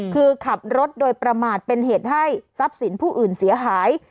คือขับรถโดยประมาทเป็นเหตุให้ทรัพย์สินผู้อื่นเสียหาย